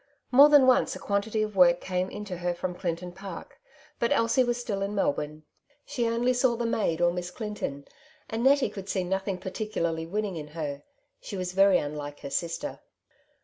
More than once a quantity of work came in to her from Clinton Park, but Elsie was still in Melbourne. She only saw the maid, or Miss Clinton ; and Nettie could see nothing particularly winning in her ; she was very unlike her sister.